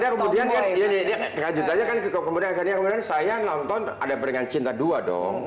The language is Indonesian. akhirnya kemudian ya ini kekajutannya kan kemudian kemudian saya nonton ada peringan cinta dua dong